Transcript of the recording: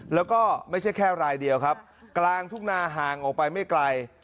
แล้วก็ไม่ใช่แค่รายเดียวครับกลางทุ่งนาห่างออกไปไม่ไกล